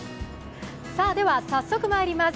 では、早速まいります。